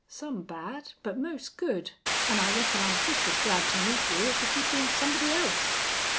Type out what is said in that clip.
Some bad, but most good, an' I reckon I'm jest as glad to meet you as if you'd been somebody else."